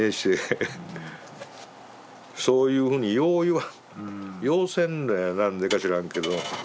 そういうふうによう言わんようせんのや何でか知らんけど。